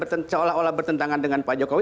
seolah olah bertentangan dengan pak jokowi